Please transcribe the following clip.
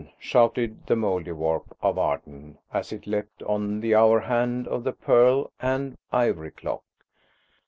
shouted the Mouldiwarp of Arden as it leapt on the hour hand of the pearl and ivory clock.